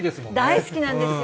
大好きなんですよ。